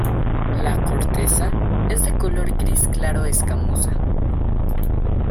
La corteza es de color gris claro, escamosa.